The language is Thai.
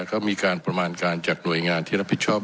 ก็มีการประมาณการจากหน่วยงานที่รับผิดชอบ